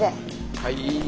はい。